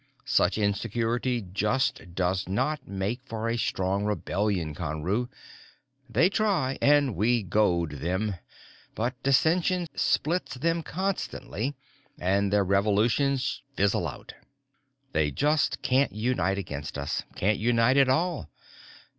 Such insecurity just does not make for a strong rebellion, Conru. They try, and we goad them but dissention splits them constantly and their revolutions fizzle out. "They just can't unite against us, can't unite at all.